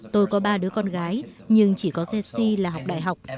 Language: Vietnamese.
tôi có ba đứa con gái nhưng chỉ có jesse là học đại học